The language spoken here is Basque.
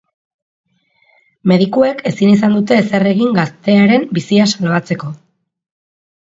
Medikuek ezin izan dute ezer egin gaztearen bizia salbatzeko.